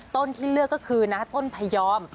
ต้นที่เลือกก็คือนะต้นพยอม